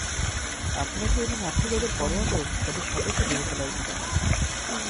আপনাকে এবং আপনি যাদের পরোয়া করেন, তাদের সবাইকে মেরে ফেলা উচিৎ আমার।